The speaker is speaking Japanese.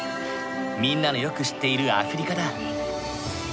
みんなのよく知っているアフリカだ。